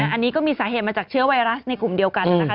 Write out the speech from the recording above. อันนี้ก็มีสาเหตุมาจากเชื้อไวรัสในกลุ่มเดียวกันนะคะ